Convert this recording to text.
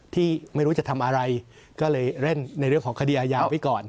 ที่ไม่รู้จะทำอะไรก็เลยเล่นในเรื่องของคดีอาญาไว้ก่อน